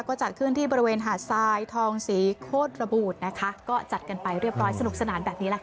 ก็จัดขึ้นที่บริเวณหาดทรายทองศรีโคตรระบุนะคะก็จัดกันไปเรียบร้อยสนุกสนานแบบนี้แหละค่ะ